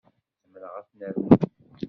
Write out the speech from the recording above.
Zemreɣ ad ten-rnuɣ.